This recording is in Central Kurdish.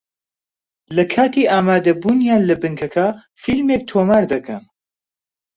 لە کاتی ئامادەبوونیان لە بنکەکە فیلمێک تۆمار دەکەن